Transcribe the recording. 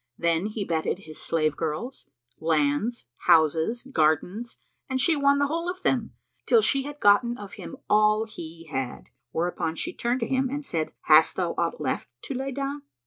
Then he betted his slave girls, lands, houses, gardens, and she won the whole of them, till she had gotten of him all he had; whereupon she turned to him and said, "Hast thou aught left to lay down?"